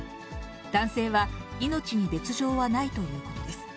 男性は命に別状はないということです。